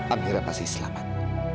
amira pasti selamat